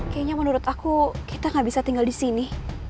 kayaknya menurut aku kita gak bisa tinggal di sini